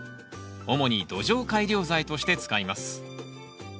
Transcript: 主に土壌改良材として使います。